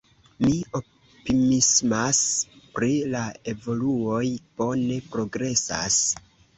Mi optimismas pri la evoluoj, bone progresas.